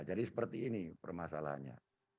jadi seperti ini permasalahannya